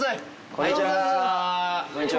こんにちは。